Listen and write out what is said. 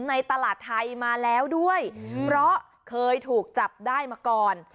ในตลาดไทยมาแล้วด้วยเพราะเคยถูกจับได้มาก่อน